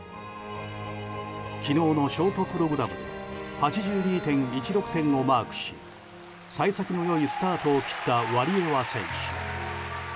昨日のショートプログラムで８２．１６点をマークし幸先のいいスタートを切ったワリエワ選手。